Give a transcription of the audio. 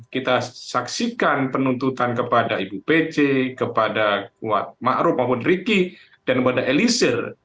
kita saksikan penuntutan kepada ibu pece kepada mbak rup maupun ricky dan kepada elisir